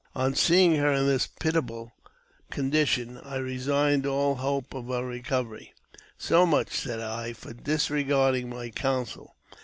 On seeing her in this pitiable condition, I resigned all hope of her recovery. '' So much," said I, ''for disregarding my counsel.